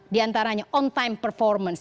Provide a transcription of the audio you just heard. di antaranya on time performance